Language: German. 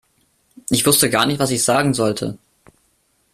Ich wusste gar nicht, was ich sagen sollte.